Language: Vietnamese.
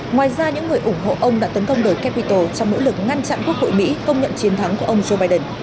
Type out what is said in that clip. ngoài ra những người ủng hộ ông đã tấn công đời capitol trong nỗ lực ngăn chặn quốc hội mỹ công nhận chiến thắng của ông joe biden